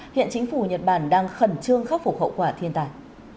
hiện chính phủ nhật bản đang khẩn trương khắc phục hậu quả thiên tai